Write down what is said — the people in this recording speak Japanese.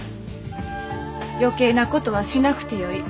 余計なことはしなくてよい。